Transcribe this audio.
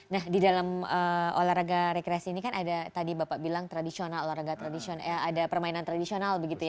nah di dalam olahraga rekreasi ini kan ada tadi bapak bilang tradisional olahraga tradisional ada permainan tradisional begitu ya